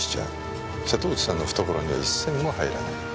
瀬戸内さんの懐には一銭も入らない。